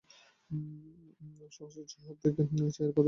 শহর থেকে ভালো চায়ের পাতা এনে দিতে হয়।